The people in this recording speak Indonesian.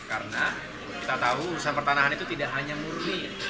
karena kita tahu usaha pertanahan itu tidak hanya murni